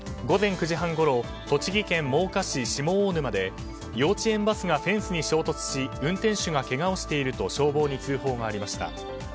午前９時半ごろ栃木県真岡市下大沼で幼稚園バスがフェンスに衝突し運転手がけがをしていると消防に通報がありました。